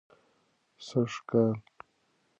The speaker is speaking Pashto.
سږ کال